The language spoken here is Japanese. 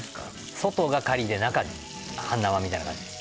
外がカリで中半生みたいな感じです